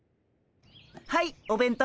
はいお弁当。